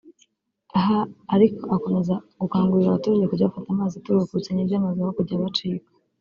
Aha ariko akomeza gukangurira abaturage kujya bafata amazi aturuka ku bisenge by’amazu aho kujya abacika